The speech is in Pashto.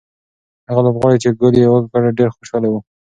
هغه لوبغاړی چې ګول یې وکړ ډېر خوشاله و.